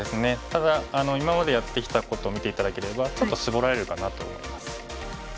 ただ今までやってきたこと見て頂ければちょっと絞られるかなと思います。